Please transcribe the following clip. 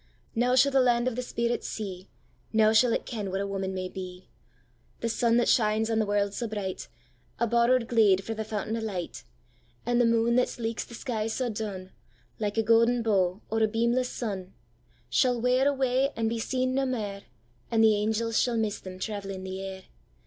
Now shall the land of the spirits see, Now shall it ken what a woman may be! The sun that shines on the world sae bright,A borrow'd gleid frae the fountain of light; And the moon that sleeks the sky sae dun, Like a gouden bow, or a beamless sun, Shall wear away, and be seen nae mair, And the angels shall miss them travelling the air.